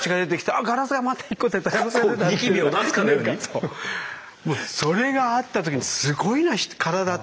もうそれがあった時に「すごいなからだ！」